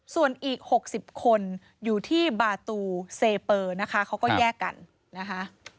ส่วนอีก๖๐คนอยู่ที่บาตูเซเปอร์นะคะเขาก็แยกกันนะคะ